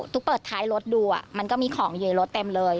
เปิดท้ายรถดูมันก็มีของอยู่ในรถเต็มเลย